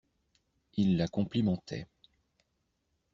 Ils la complimentaient.